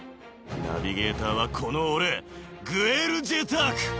ナビゲーターはこの俺グエル・ジェターク！